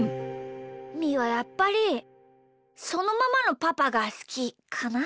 みーはやっぱりそのままのパパがすきかな。